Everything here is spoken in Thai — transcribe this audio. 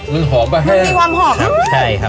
มันหอมป่ะมันมีความหอมครับใช่ครับ